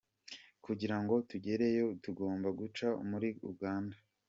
Kugira ngo tugereyo tugomba guca muri Uganda.